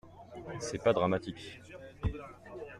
C'est pas dramatique.